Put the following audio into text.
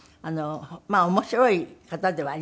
まあ面白い方ではありましたね。